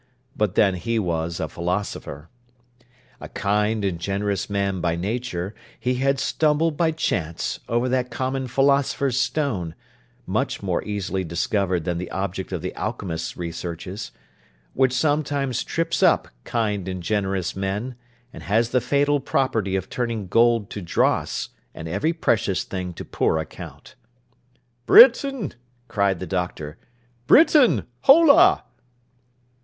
But then he was a Philosopher. A kind and generous man by nature, he had stumbled, by chance, over that common Philosopher's stone (much more easily discovered than the object of the alchemist's researches), which sometimes trips up kind and generous men, and has the fatal property of turning gold to dross and every precious thing to poor account. 'Britain!' cried the Doctor. 'Britain! Holloa!